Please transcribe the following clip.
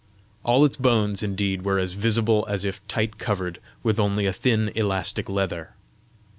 All its bones, indeed, were as visible as if tight covered with only a thin elastic leather.